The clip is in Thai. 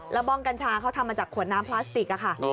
แล้วบ้องกัญชาเขาทำมาจากขวดน้ำพลาสติกค่ะ